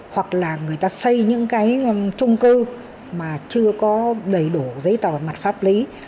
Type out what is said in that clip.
hoặc là người ta xây những cái trung cư mà chưa có đầy đủ giấy tờ về mặt pháp lý